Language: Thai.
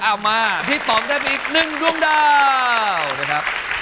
เอามาพี่ป๋องได้อีก๑ดวงดาวนะครับ